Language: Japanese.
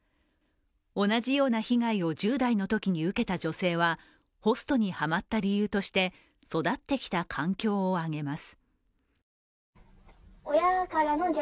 同じような被害を１０代のときに受けた女性はホストにはまった理由として育ってきた環境をあげます。